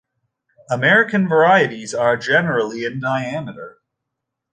American varieties are generally in diameter.